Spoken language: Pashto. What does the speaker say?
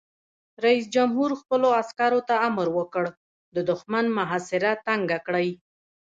رئیس جمهور خپلو عسکرو ته امر وکړ؛ د دښمن محاصره تنګه کړئ!